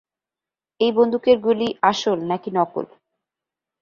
এই বন্দুকের গুলি আসল নাকি নকল?